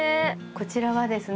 こちらはですね